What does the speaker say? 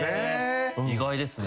意外ですね。